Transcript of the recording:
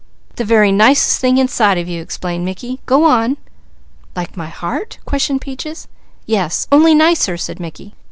"The very nicest thing inside of you," explained Mickey. "Go on!" "Like my heart?" questioned Peaches. "Yes. Only nicer," said Mickey.